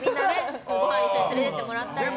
ごはん、一緒に連れてってもらったりとか。